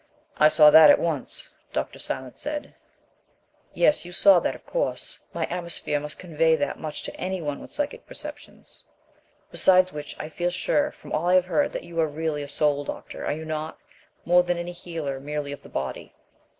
"I saw that at once," Dr. Silence said. "Yes, you saw that, of course; my atmosphere must convey that much to any one with psychic perceptions. Besides which, I feel sure from all I have heard, that you are really a soul doctor, are you not, more than a healer merely of the body?"